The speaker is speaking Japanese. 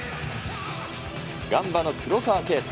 ガンバの黒川圭介。